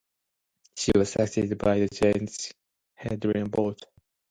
She was succeeded by Judge Hadrian Volt.